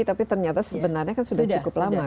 tapi ternyata sebenarnya sudah cukup lama kan